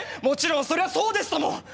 もちろんそれはそうですとも！